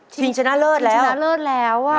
ชิงชนะเลิศแล้ว